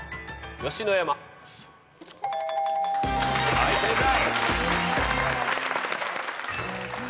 はい正解。